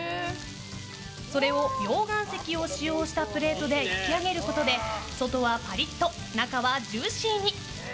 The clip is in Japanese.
それを溶岩石を使用したプレートで焼き上げることで外はパリッと中はジューシーに。